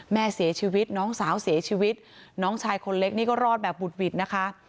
แม่เสียชีวิตน้องสาวเสียชีวิตน้องชายคนเล็กนี่ก็รอดแบบบุดหวิดนะคะ